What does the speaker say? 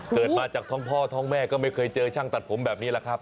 เกิดมาจากท้องพ่อท้องแม่ก็ไม่เคยเจอช่างตัดผมแบบนี้แหละครับ